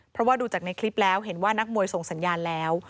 เพราะว่าดูจากในคลิปแล้วเห็นว่านักมวยส่งสัญญาณแล้ว